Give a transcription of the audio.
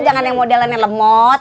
jangan yang modelannya lemot